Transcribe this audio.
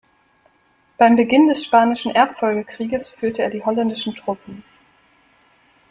Beim Beginn des Spanischen Erbfolgekrieges führte er die holländischen Truppen.